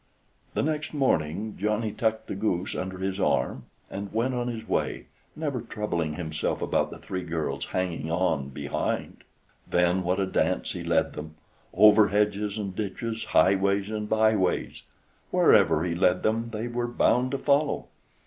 The next morning Johnny tucked the goose under his arm, and went on his way, never troubling himself about the three girls hanging on behind. Then what a dance he led them: over hedges and ditches, highways and byways! Wherever he led they were bound to follow.